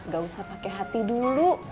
gak usah pakai hati dulu